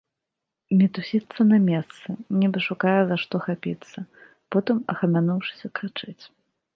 Мітусіцца на месцы, нібы шукае, за што хапіцца, потым, ахамянуўшыся, крычыць.